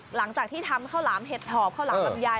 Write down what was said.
หลังจากที่ทำข้าวหลามเห็ดถอบข้าวหลามลำไย